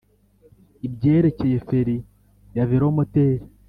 Ibyerekeye feri ya velomoteri